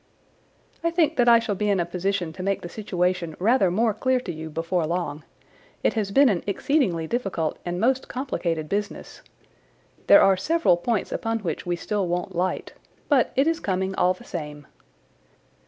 "I think that I shall be in a position to make the situation rather more clear to you before long. It has been an exceedingly difficult and most complicated business. There are several points upon which we still want light—but it is coming all the same."